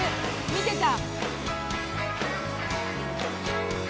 「見てた」